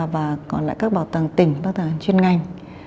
và còn lại các bảo tàng tỉnh các bảo tàng chuyên ngành